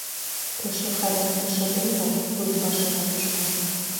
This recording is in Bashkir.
Кеше хәлен кеше белмәй, үҙ башына төшмәһә.